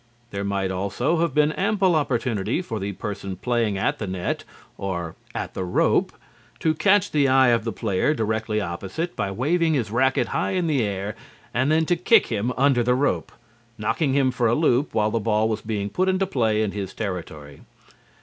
There might also have been ample opportunity for the person playing at the net or at the "rope," to catch the eye of the player directly opposite by waving his racquet high in the air and then to kick him under the rope, knocking him for a loop while the ball was being put into play in his territory.